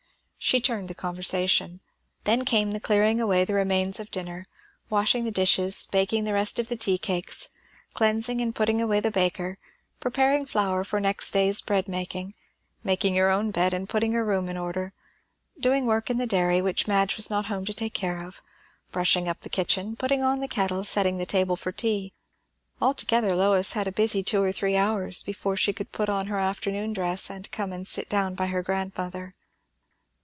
She turned the conversation. Then came the clearing away the remains of dinner; washing the dishes; baking the rest of the tea cakes; cleansing and putting away the baker; preparing flour for next day's bread making; making her own bed and putting her room in order; doing work in the dairy which Madge was not at home to take care of; brushing up the kitchen, putting on the kettle, setting the table for tea. Altogether Lois had a busy two or three hours, before she could put on her afternoon dress and come and sit down by her grandmother.